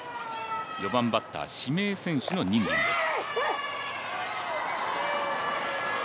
４番バッター、指名選手の任敏です。